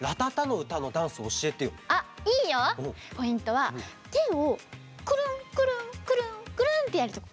はてをクルンクルンクルンクルンってやるとこ。